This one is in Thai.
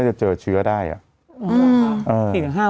จะเจอเชื้อได้อ่ะ